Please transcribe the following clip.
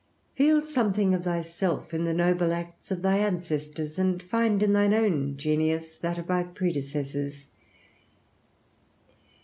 Feel something of thyself in the noble acts of thy ancestors, and find in thine own genius that of thy predecessors.